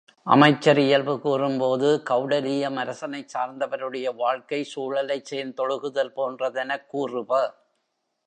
அமைச்சர் இயல்பு கூறும்போது கெளடலீயம் அரசனைச் சார்ந்தவருடைய வாழ்க்கை சூழலைச் சேர்ந்தொழுகுதல் போன்றதெனக் கூறுப.